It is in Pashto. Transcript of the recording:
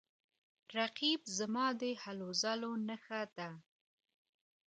رقیب زما د هلو ځلو نښه ده